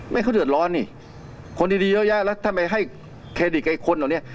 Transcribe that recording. ไม่เค้าเดือดร้อนนี่คนดีเยอะแยะแล้วทำไมให้เครดิตกับอีกคนเหรอเนี่ย